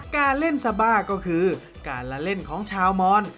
การเล่นซาบ้าก็คือการละเล่นของชาวมอน